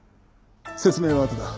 説明はあとだ。